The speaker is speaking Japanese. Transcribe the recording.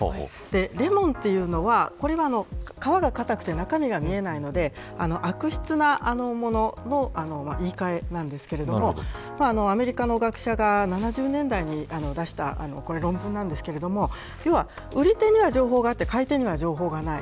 レモンというのは皮が硬くて中身が見えないので悪質なものの言い換えなんですけどアメリカの学者が７０年代に出した論文なんですけど売り手には情報があって買い手には情報がない。